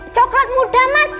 coklat muda mas